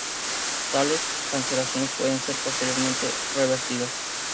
Tales cancelaciones pueden ser posteriormente revertidas.